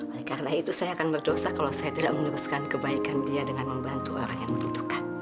oleh karena itu saya akan berdosa kalau saya tidak meneruskan kebaikan dia dengan membantu orang yang membutuhkan